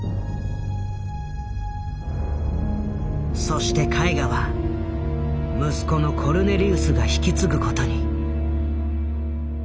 そして絵画は息子のコルネリウスが引き継ぐことに。